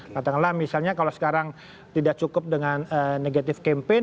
katakanlah misalnya kalau sekarang tidak cukup dengan negatif campaign